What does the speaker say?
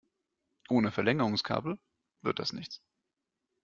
Ohne Verlängerungskabel wird das nichts.